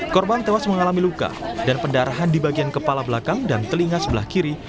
korban tewas mengalami luka dan pendarahan di bagian kepala belakang dan telinga sebelah kiri